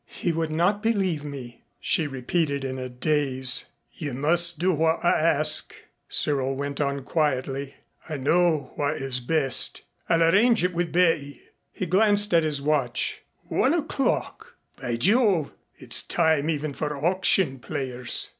"He would not believe me," she repeated in a daze. "You must do what I ask," Cyril went on quietly. "I know what is best. I'll arrange it with Betty." He glanced at his watch. "One o'clock. By Jove! It's time even for auction players."